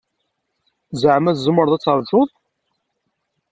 Zeɛma tzemreḍ ad taṛǧuḍ?